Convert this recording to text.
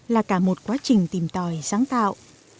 là cả một quá trình tìm tòi sáng tạo